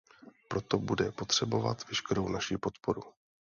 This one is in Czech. Proto bude potřebovat veškerou naši podporu.